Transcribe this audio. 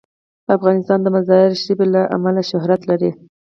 افغانستان د مزارشریف له امله شهرت لري.